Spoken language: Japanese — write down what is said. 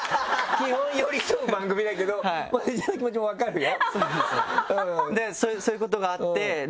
基本寄り添う番組だけどマネージャーの気持ちも分かるよ。